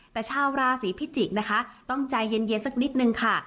แต่ชาวราศีพิจิกษ์นะคะต้องใจเย็นสักนิดนึงค่ะ